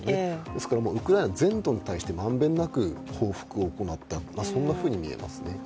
ですからウクライナ全土に対して満遍なく報復を行った、そんなふうに見えますね。